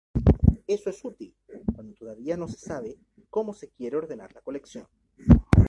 Eso es útil, cuando todavía no se sabe cómo se quiere ordenar la colección.